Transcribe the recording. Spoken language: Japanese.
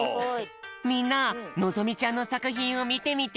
みんなのぞみちゃんのさくひんをみてみて。